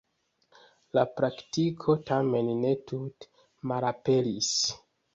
La praktiko, tamen, ne tute malaperis.